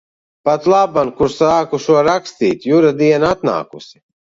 Patlaban, kur sāku šo rakstīt, Jura diena atnākusi.